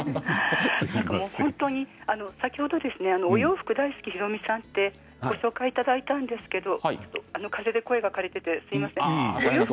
本当にお洋服大好きひろみさんとご紹介いただいたんですがかぜで声が枯れていてすみません。